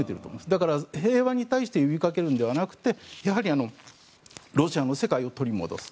だから、平和に対して呼びかけるのではなくてロシアの世界を取り戻す。